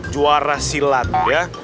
juara silat ya